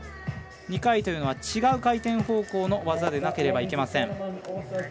２回というのは違う回転方向の技でなければいけません。